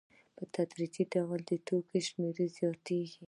په تدریجي ډول د توکو شمېر زیاتېږي